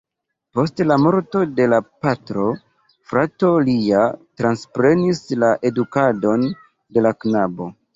Post la morto de la patro frato lia transprenis la edukadon de la knabo.